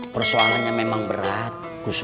persoalannya memang berat